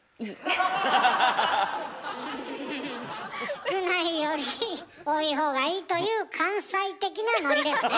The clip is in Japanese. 少ないより多いほうがいいという関西的なノリですね？